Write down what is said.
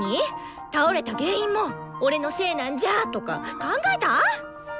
倒れた原因も「俺のせいなんじゃ」とか考えた！？